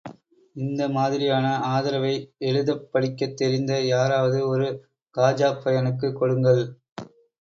இந்த மாதிரியான ஆதரவை எழுதப் படிக்கத் தெரிந்த யாராவது ஒரு காஜாப் பையனுக்குக் கொடுங்கள்.